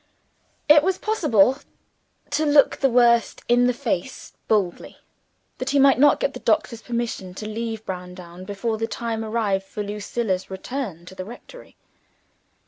It was possible to look the worst in the face boldly that he might not get the doctor's permission to leave Browndown before the time arrived for Lucilla's return to the rectory.